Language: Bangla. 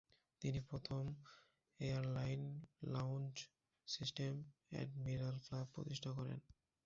তিনি প্রথম airline lounge system admiral club প্রতিষ্ঠা করেন।